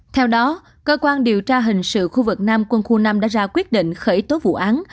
theo đó cơ quan điều tra hình sự khu vực nam quân khu năm đã ra quyết định khởi tố vụ án